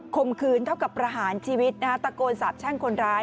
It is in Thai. มขืนเท่ากับประหารชีวิตนะฮะตะโกนสาบแช่งคนร้าย